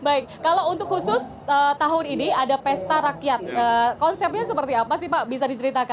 baik kalau untuk khusus tahun ini ada pesta rakyat konsepnya seperti apa sih pak bisa diceritakan